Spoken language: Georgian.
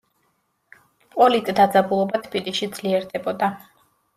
პოლიტ დაძაბულობა თბილისში ძლიერდებოდა.